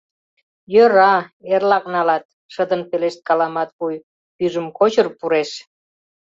— Йӧра-а, эрлак налат... — шыдын пелешткала Матвуй, пӱйжым кочыр пуреш.